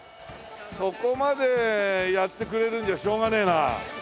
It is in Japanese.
そこまでやってくれるんじゃしょうがねえな。